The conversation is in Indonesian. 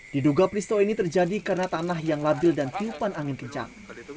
diduga peristiwa ini terjadi karena tanah yang labil dan tiupan angin kencang